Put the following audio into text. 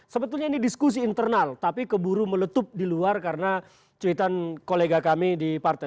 sebetulnya ini diskusi internal tapi keburu meletup di luar karena cuitan kolega kami di partai